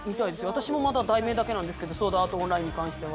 私もまだ題名だけなんですけど「ソードアート・オンライン」に関しては。